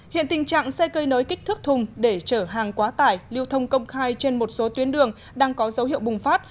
hiện tình trạng xe cơi nới kích thước thùng để trở hàng quá tải lưu thông công khai trên một số tuyến đường đang có dấu hiệu bùng phát